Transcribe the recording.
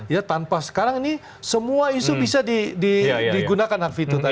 ya tanpa sekarang ini semua isu bisa digunakan hak fitur tadi